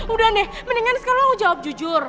udah deh mendingan sekarang jawab jujur